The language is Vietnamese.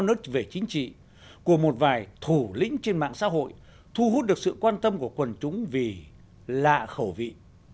các phát ngôn về chính trị của một vài thủ lĩnh trên mạng xã hội thu hút được sự quan tâm của quần chúng vì lạ khẩu vị